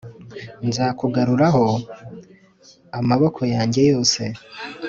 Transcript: Nzakugaruraho amaboko yanjye yose ,